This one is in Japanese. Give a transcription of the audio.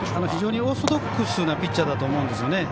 非常にオーソドックスなピッチャーだと思うんですよね。